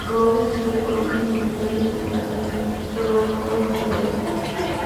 Brody asistió al colegio universitario por un año, pero lo dejó a los diecinueve.